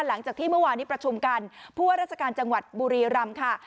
หลังจากที่เมื่อวานนี้ประชุมกันผู้ว่าราชการจังหวัดบุรีรำค่ะ